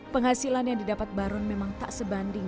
penghasilan yang didapat baron memang tak sebanding